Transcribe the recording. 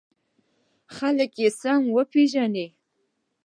خلک یې سم وپېژني.